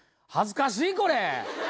恥ずかしいこれ。